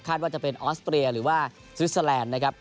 ว่าจะเป็นออสเตรียหรือว่าสวิสเตอร์แลนด์นะครับ